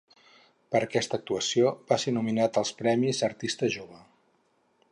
Per aquesta actuació va ser nominat als Premis Artista Jove.